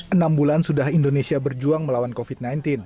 enam bulan sudah indonesia berjuang melawan covid sembilan belas